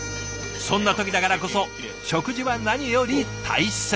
そんな時だからこそ食事は何より大切。